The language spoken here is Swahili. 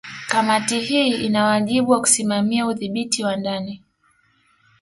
Kamati hii ina wajibu wa kusimamia udhibiti wa ndani